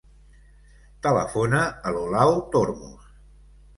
Telefona a l'Olau Tormos.